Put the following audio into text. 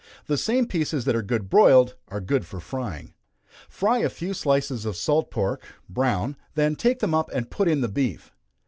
The same pieces that are good broiled are good for frying. Fry a few slices of salt pork, brown, then take them up and put in the beef.